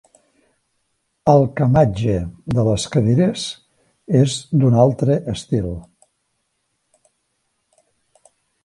El camatge de les cadires és d'un altre estil.